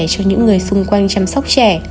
cho những người xung quanh chăm sóc trẻ